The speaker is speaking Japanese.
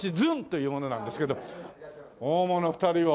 大物２人を。